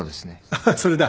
あっそれだ。